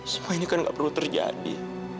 semua ini kan nggak perlu terjadi